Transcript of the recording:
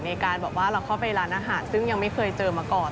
ในการแบบว่าเราเข้าไปร้านอาหารซึ่งยังไม่เคยเจอมาก่อน